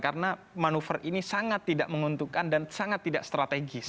karena manuver ini sangat tidak menguntungkan dan sangat tidak strategis